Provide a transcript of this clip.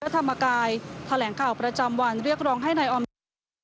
ธรรมกายแถลงข่าวประจำวันเรียกร้องให้นายออมสิน